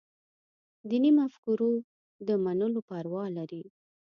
دیني مفکورو د منلو پروا لري.